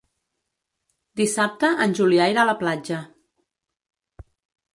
Dissabte en Julià irà a la platja.